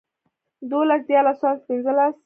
دولس ديارلس څوارلس پنځلس